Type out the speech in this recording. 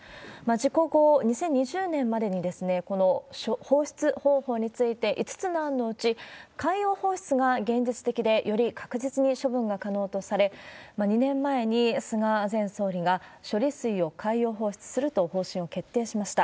事故後、２０２０年までに、この放出方法について、５つの案のうち、海洋放出が現実的で、より確実に処分が可能とされ、２年前に菅前総理が、処理水を海洋放出すると方針を決定しました。